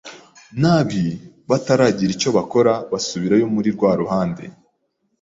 nabi bataragira icyobakora basubirayo muri rwaruhande